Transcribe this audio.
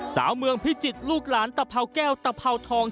สาวเมืองพิจิตรลูกหลานตะเผาแก้วตะเภาทอง